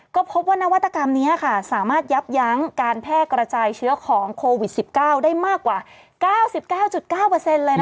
ก็พบว่านวัตกรรมนี้สามารถยับยั้งการแพร่กระจายเชื้อของโควิด๑๙ได้มากกว่า๙๙๙๙เลยนะคะ